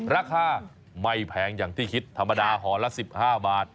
ราคาไม่แพงอย่างที่คิดธรรมดาห่อละ๑๕บาท